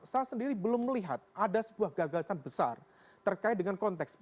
saya sendiri belum melihat ada sebuah gagasan besar terkait dengan konteks